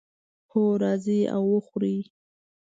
هو، راځئ او وخورئ